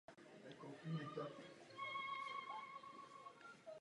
Jméno města znamená doslova "rajské kopce".